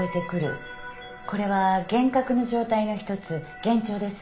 これは幻覚の状態の１つ幻聴ですね。